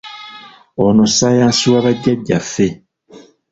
Ono ssaayansi wa bajjaajjaffe!